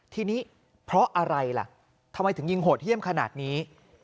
ทีนี้เพราะอะไรล่ะทำไมถึงยิงโหดเยี่ยมขนาดนี้